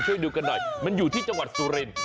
ดูกันหน่อยมันอยู่ที่จังหวัดสุรินทร์